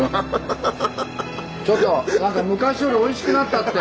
ちょっと昔よりおいしくなったって。